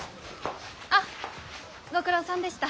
あっご苦労さんでした。